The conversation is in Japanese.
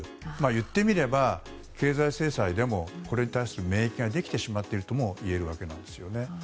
いってみれば経済制裁も免疫ができてしまっているともいえるわけなんですよね。